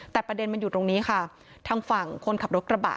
แต่ประเด็นมันอยู่ตรงนี้ค่ะทางฝั่งคนขับรถกระบะ